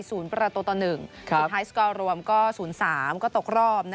สุดท้ายสกอร์รวมก็๐๓ก็ตกรอบ